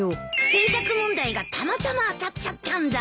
選択問題がたまたま当たっちゃったんだ。